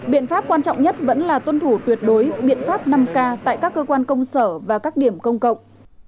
biện pháp quan trọng nhất vẫn là tuân thủ tuyệt đối biện pháp năm k tại các cơ quan công sở và các điểm công cộng